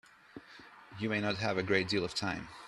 You may not have a great deal of time.